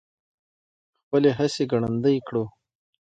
خپلې هڅې ګړندۍ کړو.